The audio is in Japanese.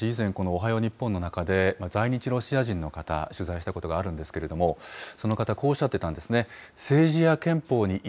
私、以前、このおはよう日本の中で、在日ロシア人の方、取材したことがあるんですけれども、その方、こうおっしゃっていたんですね。